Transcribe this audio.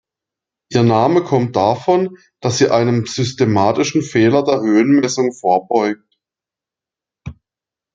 Ihr Name kommt davon, dass sie einem systematischen Fehler der Höhenmessung vorbeugt.